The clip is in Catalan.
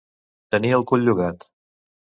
Tenir el cul llogat.